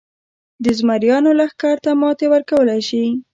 د زمریانو لښکر ته ماتې ورکولای شي.